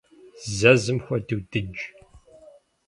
Зэзым хуэдэу дыдж.